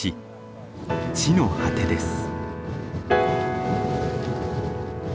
地の果てです。